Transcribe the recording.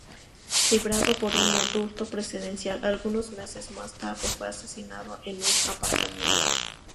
Liberado por un indulto presidencial, algunos meses más tarde fue asesinado en un aparcamiento.